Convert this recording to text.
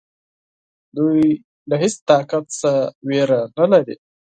دوی له هیڅ طاقت څخه وېره نه لري.